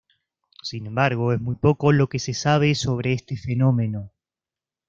Sin embargo, es muy poco lo que se sabe sobre este fenómeno.